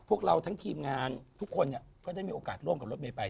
พวกเราทั้งทีมงานทุกคนก็ได้มีโอกาสร่วมกับรถเมย์ไป